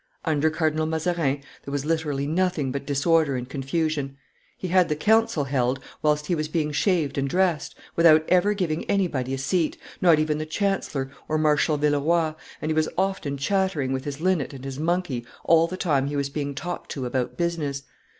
"Under Cardinal Mazarin, there was literally nothing but disorder and confusion; he had the council held whilst he was being shaved and dressed, without ever giving anybody a seat, not even the chancellor or Marshal Villeroy, and he was often chattering with his linnet and his monkey all the time he was being talked to about business.